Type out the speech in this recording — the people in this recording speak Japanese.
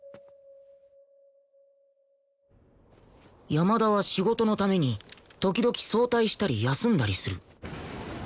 山田は仕事のために時々早退したり休んだりする